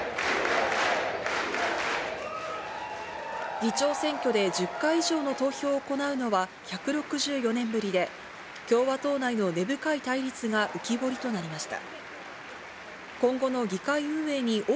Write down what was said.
議長選挙で１０回以上の投票を行うのは１６４年ぶりで、共和党内の根深い対立が浮き彫りとなりました。